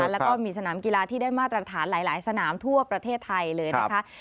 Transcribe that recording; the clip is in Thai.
แล้วก็มีสนามกีฬาที่ได้มาตรฐานหลายสนามทั่วประเทศไทยเลยนะคะ